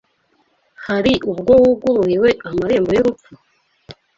Hari ubwo wugururiwe amarembo y’urupfu?